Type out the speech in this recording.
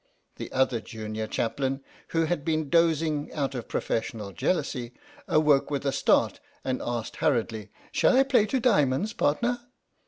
' The other junior chaplain, who had been dozing out of professional jealousy, awoke with a start and asked hurriedly, ' Shall I play to diamonds, partner